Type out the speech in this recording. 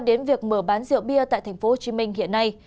đến việc mở bán rượu bia tại tp hcm hiện nay